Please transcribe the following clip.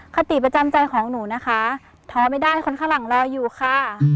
คติประจำใจของหนูนะคะท้อไม่ได้คนข้างหลังรออยู่ค่ะ